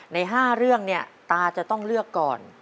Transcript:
ใน๕เรื่องเนี่ยตาจะต้องเลือกก่อน